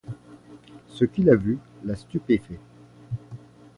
Ce qu'il a vu l'a stupéfait.